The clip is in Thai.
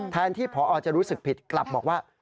แทนที่พอจะรู้สึกผิดกลับบอกว่า